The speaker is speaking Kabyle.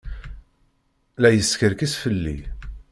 La yeskerkis fell-i.